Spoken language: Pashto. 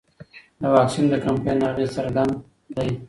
د واکسین د کمپاین اغېز څرګند دی.